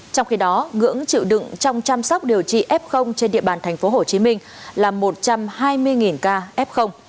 trong khi đó ngưỡng chịu đựng trong chăm sóc điều trị f trên địa bàn thành phố hồ chí minh là một trăm hai mươi ca f